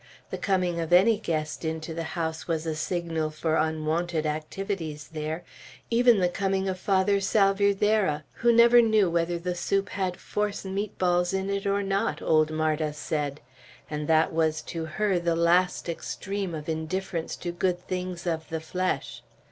The coming of any guest into the house was a signal for unwonted activities there, even the coming of Father Salvierderra, who never knew whether the soup had force meat balls in it or not, old Marda said; and that was to her the last extreme of indifference to good things of the flesh.